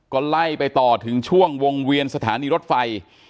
ก็ไล่ไปต่อถึงช่วงวงเวียนสถานีรถไฟ